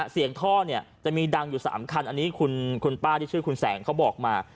ท่อเนี่ยจะมีดังอยู่๓คันอันนี้คุณป้าที่ชื่อคุณแสงเขาบอกมา